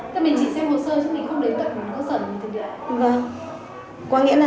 thế mình chỉ xem hồ sơ chứ mình không đến tận cơ sở gì từ địa